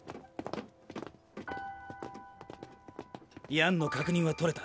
ヤンの確認は取れた。